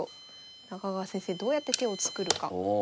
中川先生どうやって手を作るか。